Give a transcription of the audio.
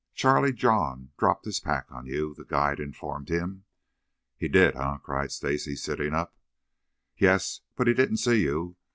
Charlie John dropped his pack on you," the guide informed him. "He did, eh?" cried Stacy, sitting up. "Yes, but he didn't see you.